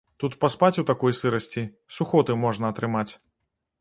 Тут паспаць у такой сырасці, сухоты можна атрымаць.